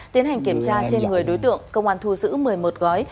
tiến hành kiểm tra trên người đối tượng công an thu giữ một mươi một gói